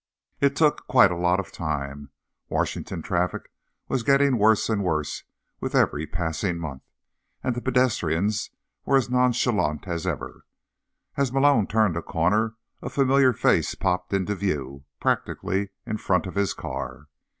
It took quite a lot of time. Washington traffic was getting worse and worse with every passing month, and the pedestrians were as nonchalant as ever. As Malone turned a corner, a familiar face popped into view, practically in front of his car.